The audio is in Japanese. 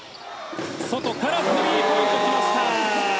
外からスリーポイント来ました。